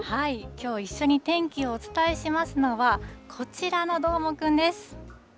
きょう一緒に天気をお伝えしますのは、こちらのどーもくんです。